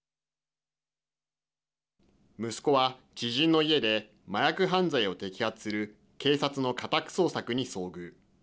息子は知人の家で麻薬犯罪を摘発する警察の家宅捜索に遭遇。